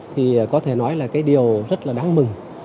thì có thể nói là cái điều rất là đáng mừng